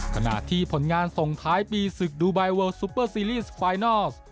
ผ่านที่ผลงานส่งท้ายปีศึกดูบายเวิลด์ซูเปอร์ซีรีส์ไฟนอล์ฟ